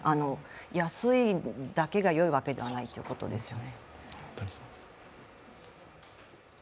安いだけがよいだけではないということですよね。